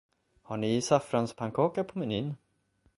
Har ni saffranspannkaka på menyn?